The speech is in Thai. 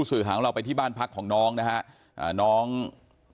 เชิงชู้สาวกับผอโรงเรียนคนนี้